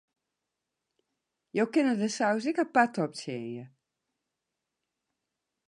Jo kinne de saus ek apart optsjinje.